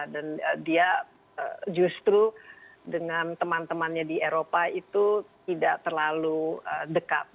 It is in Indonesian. dia justru dengan teman temannya di eropa itu tidak terlalu dekat